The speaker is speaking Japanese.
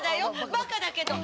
バカだけど。